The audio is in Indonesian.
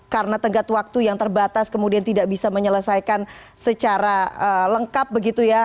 karena tenggat waktu yang terbatas kemudian tidak bisa menyelesaikan secara lengkap begitu ya